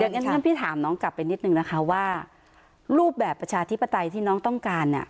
งั้นพี่ถามน้องกลับไปนิดนึงนะคะว่ารูปแบบประชาธิปไตยที่น้องต้องการเนี่ย